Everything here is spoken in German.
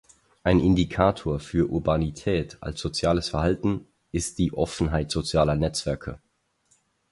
Ein Indikator für Urbanität als soziales Verhalten ist die Offenheit sozialer Netzwerke.